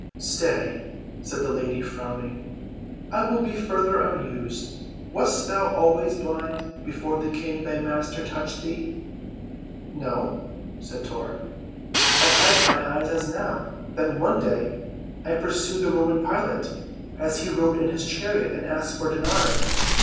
"Stay," said the lady frowning, "I will be further amused. Wast thou always blind—before the King, thy Master, touched thee?" "No," said Tor. "I had my eyes as now. Then one day I pursued the Roman Pilate, as he rode in his chariot, and asked for denarii.